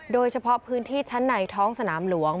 โดยเฉพาะพื้นที่ชั้นในท้องสนามหลวง